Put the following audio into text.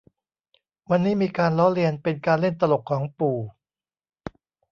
วันนี้มีการล้อเลียนเป็นการเล่นตลกของปู่